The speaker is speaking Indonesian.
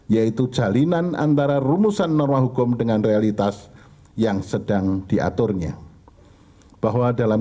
yaitu jalinan antara rumusan norma hukum dengan realitas yang sedang diaturnya bahwa dalam